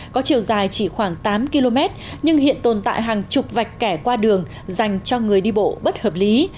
có chiều dài chỉ khoảng tám km nhưng hiện tồn tại hàng chục vạch kẻ qua đường dành cho người đi bộ bất hợp lý